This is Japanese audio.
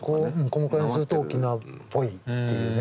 このくらいにすると沖縄っぽいっていうね感じが分かる。